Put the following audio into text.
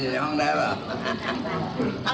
คนลุกก็เห็นหรือเปล่า